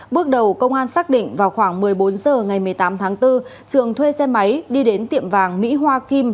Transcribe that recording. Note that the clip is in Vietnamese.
bước đầu công an xác định vào khoảng một mươi bốn h ngày một mươi tám tháng bốn trường thuê xe máy đi đến tiệm vàng mỹ hoa kim